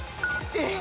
えっ？